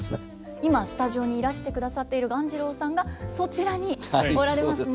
今スタジオにいらしてくださっている鴈治郎さんがそちらにおられますね。